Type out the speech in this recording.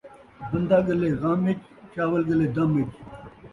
بندہ ڳلے غم ءِچ، چاول ڳلے دم ءِچ